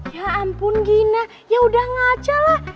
ya ampun gina ya udah ngaca lah